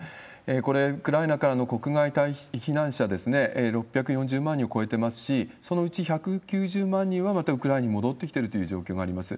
これ、ウクライナからの国外避難者ですね、６４０万人を超えてますし、そのうち１９０万人は、またウクライナに戻ってきているという状況があります。